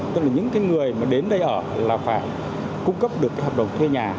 tức là những cái người mà đến đây ở là phải cung cấp được cái hợp đồng thuê nhà